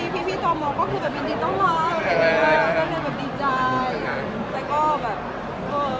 พี่ตัวโมงก็คืออยู่ดิตกมากก็จากนี้เลยดีใจ